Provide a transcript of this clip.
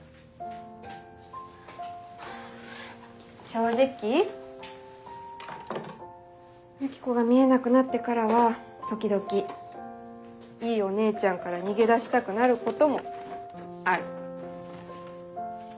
正直ユキコが見えなくなってからは時々「いいお姉ちゃん」から逃げ出したくなることもある。